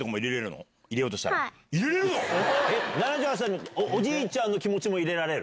７８歳のおじいちゃんの気持ちも入れられる？